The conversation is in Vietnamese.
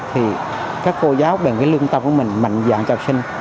thì các cô giáo bằng cái lương tâm của mình mạnh dạng cho học sinh